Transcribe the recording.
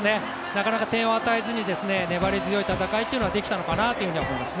なかなか点を与えずに粘り強い戦いはできたのかなと思います。